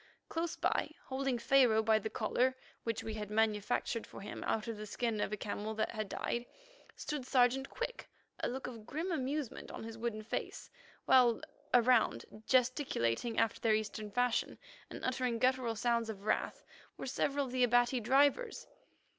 Close by, holding Pharaoh by the collar, which we had manufactured for him out of the skin of a camel that had died, stood Sergeant Quick, a look of grim amusement on his wooden face, while around, gesticulating after their Eastern fashion, and uttering guttural sounds of wrath, were several of the Abati drivers.